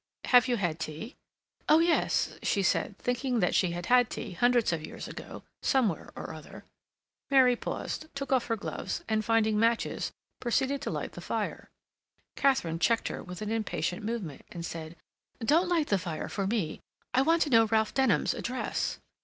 "Have you had tea?" "Oh yes," she said, thinking that she had had tea hundreds of years ago, somewhere or other. Mary paused, took off her gloves, and, finding matches, proceeded to light the fire. Katharine checked her with an impatient movement, and said: "Don't light the fire for me.... I want to know Ralph Denham's address."